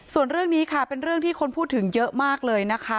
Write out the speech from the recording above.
ส่วนเรื่องนี้ค่ะเป็นเรื่องที่คนพูดถึงเยอะมากเลยนะคะ